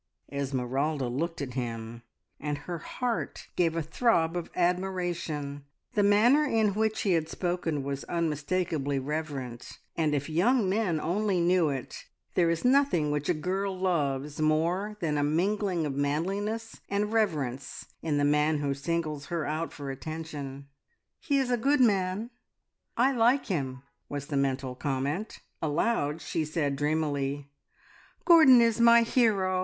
Esmeralda looked at him, and her heart gave a throb of admiration. The manner in which he had spoken was unmistakably reverent, and if young men only knew it, there is nothing which a girl loves more than a mingling of manliness and reverence in the man who singles her out for attention. "He is a good man; I like him," was the mental comment. Aloud she said dreamily, "Gordon is my hero.